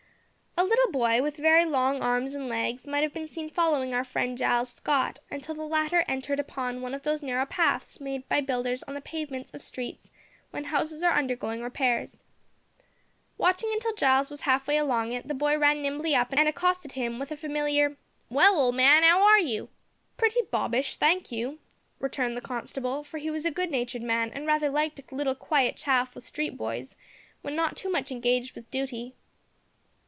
A little boy, with very long arms and legs, might have been seen following our friend Giles Scott, until the latter entered upon one of those narrow paths made by builders on the pavements of streets when houses are undergoing repairs. Watching until Giles was half way along it, the boy ran nimbly up and accosted him with a familiar "Well, old man, 'ow are you?" "Pretty bobbish, thank you," returned the constable, for he was a good natured man, and rather liked a little quiet chaff with street boys when not too much engaged with duty.